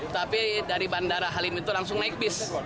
tapi dari bandara halim itu langsung naik bis